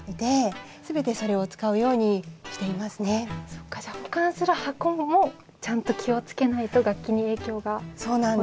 そっかじゃあ保管する箱もちゃんと気を付けないと楽器に影響が及ぼすんですね。